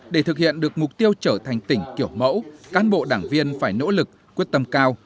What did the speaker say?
để thực hiện được mục tiêu trở thành tỉnh kiểu mẫu cán bộ đảng viên phải nỗ lực quyết tâm cao